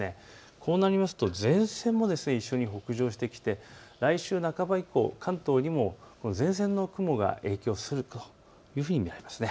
そうなりますと前線も一緒に北上してきて来週半ば以降、関東にも前線の雲が影響するというふうに見られます。